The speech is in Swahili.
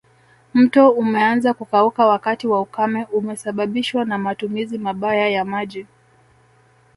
Mto umeanza kukauka wakati wa ukame umesababishwa na matumizi mabaya ya maji